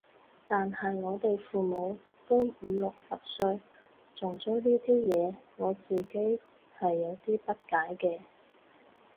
但係我哋父母都五六十歲仲追呢啲嘢，我自己係有啲不解嘅